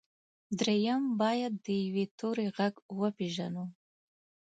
درېيم بايد د يوه توري غږ وپېژنو.